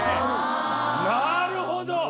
なるほど！